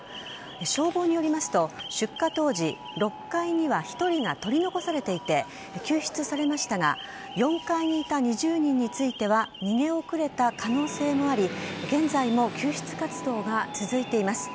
消防によりますと出火当時、６階には１人が取り残されていて救出されましたが４階にいた２０人については逃げ遅れた可能性もあり現在も救出活動が続いています。